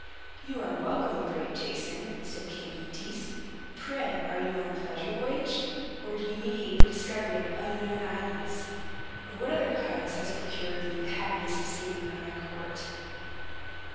"You are welcome, brave Jason," said King Aetes. "Pray, are you on a pleasure voyage? Or do you meditate the discovery of unknown islands? or what other cause has procured me the happiness of seeing you at my court?"